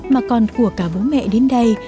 mà còn của cả bố mẹ đến đây